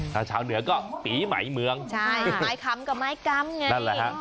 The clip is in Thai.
ถ้าชาวเหนือก็ปีใหม่เมืองใช่ไม้คำกับไม้กำไงนั่นแหละฮะ